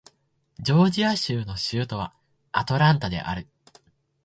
ジョージア州の州都はアトランタである